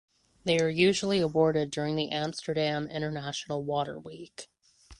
They are usually awarded during the Amsterdam International Water Week.